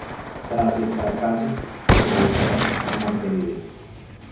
Tras el fracaso, regresó a Montevideo.